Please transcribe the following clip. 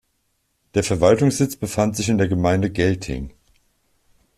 Der Verwaltungssitz befand sich in der Gemeinde Gelting.